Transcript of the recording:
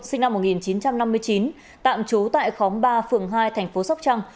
sinh năm một nghìn chín trăm năm mươi chín tạm trú tại khóm ba phường hai thành phố sóc trăng